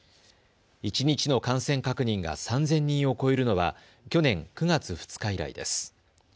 一日の感染確認が３０００人を超えるのは去年９月２日以来です。